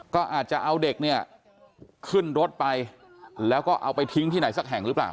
ก็อาจจะเอาเด็กเนี่ยขึ้นรถไปแล้วก็เอาไปทิ้งที่ไหนสักแห่งหรือเปล่า